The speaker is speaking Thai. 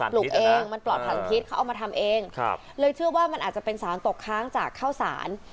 ปลูกเองมันปลอดผันพิษเขาเอามาทำเองเลยเชื่อว่ามันอาจจะเป็นสารตกค้างจากข้าวสาร